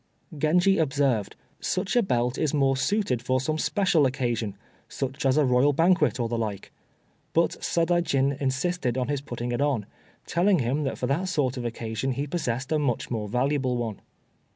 Genji observed: "Such a belt is more suited for some special occasion such as a Royal banquet, or the like." But Sadaijin insisted on his putting it on, telling him that for that sort of occasion he possessed a much more valuable one.